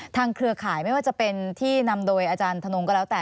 เครือข่ายไม่ว่าจะเป็นที่นำโดยอาจารย์ธนงก็แล้วแต่